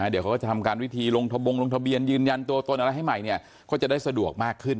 เดี๋ยวเขาก็จะทำการวิธีลงทะบงลงทะเบียนยืนยันตัวตนอะไรให้ใหม่เนี่ยก็จะได้สะดวกมากขึ้น